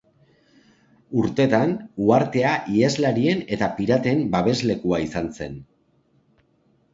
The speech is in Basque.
Urtetan uhartea iheslarien eta piraten babeslekua izan zen.